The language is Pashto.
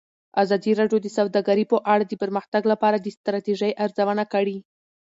ازادي راډیو د سوداګري په اړه د پرمختګ لپاره د ستراتیژۍ ارزونه کړې.